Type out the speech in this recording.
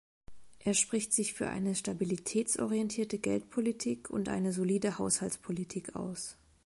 Er spricht sich für eine stabilitätsorientierte Geldpolitik und eine solide Haushaltspolitik aus.